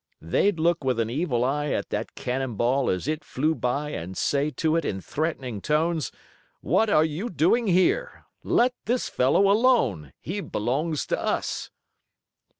They'd look with an evil eye at that cannon ball as it flew by and say to it in threatening tones: 'What are you doing here? Let this fellow alone. He belongs to us.'"